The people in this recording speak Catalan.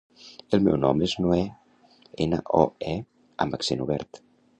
El meu nom és Noè: ena, o, e amb accent obert.